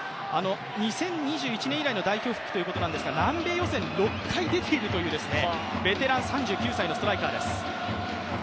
２０２１年以来の代表復帰ということですが、南米予選、６回出ているというベテラン、３９歳のストライカーです。